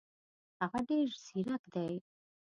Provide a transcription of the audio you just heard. هغه ډېر زیرک دی.